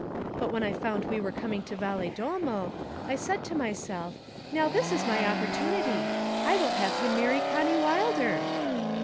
But when I found we were coming to Valedolmo, I said to myself, now this is my opportunity; I will have him marry Connie Wilder.'